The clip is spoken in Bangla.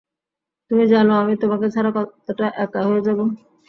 তুমি জানো আমি তোমাকে ছাড়া কতটা একা হয়ে যাবো।